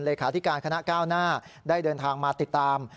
เลขาธิการคณะก้าวหน้าได้เดินทางมาติดตาม